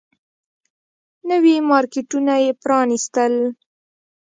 نوي مارکيټونه يې پرانيستل.